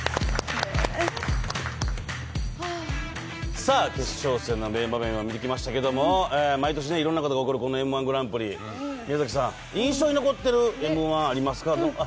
さあ、決勝戦の名場面を見てきましたけど、毎年いろんなことが起こる、このＭ−１グランプリ、宮崎さん、印象に残っているＭ−１はありますか。